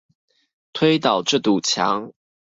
推倒這堵牆！